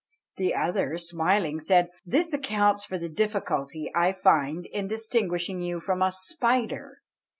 The other, smiling, said, "This accounts for the difficulty I find in distinguishing you from a spider.